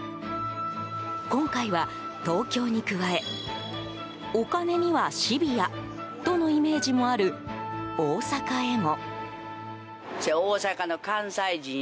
今回は、東京に加えお金にはシビアとのイメージもある大阪へも。